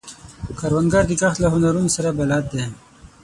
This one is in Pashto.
کروندګر د کښت له هنرونو سره بلد دی